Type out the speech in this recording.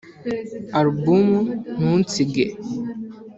Album ‘Ntunsige’